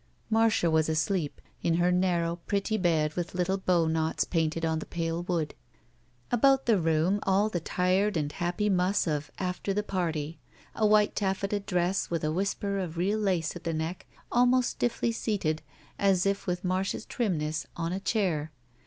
Marda was asleep, in her narrow, pretty bed with little bowknots painted on the pale wood. About the room all the tired and happy muss of after the party. A white taflfeta dress with a whis per of real lace at the neck, almost stiffishly seated, as if with Marcia's trimness, on a chair.